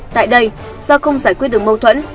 tại đây do không giải quyết được mâu thuẫn